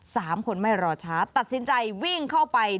สามคนไม่รอช้าตัดสินใจวิ่งเข้าไป